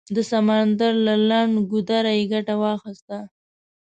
د سمندر له لنډ ګودره یې ګټه واخیسته.